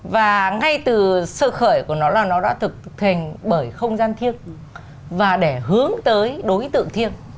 và ngay từ sơ khởi của nó là nó đã thực hành bởi không gian thiêng và để hướng tới đối tượng thiêng